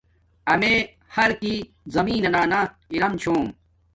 امے حرکی زمین نانا ارم چھوم